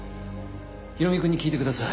宏美君に聞いてください。